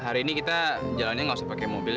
hari ini kita jalannya gak usah pake mobil ya